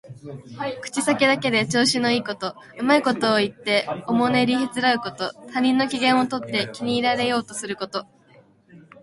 口先だけで調子のいいこと、うまいことを言っておもねりへつらうこと。他人の機嫌をとって気に入られようとすること。